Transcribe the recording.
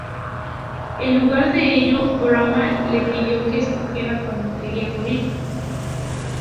En lugar de ello, Brahmá le pidió que escogiera cuándo quería morir.